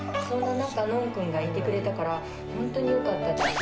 そんな中、ノンくんがいてくれたから、本当によかった。